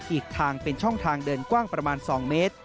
อีกทางเป็นช่องทางเดินกว้างประมาณ๒เมตร